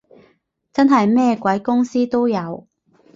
真係咩鬼公司都有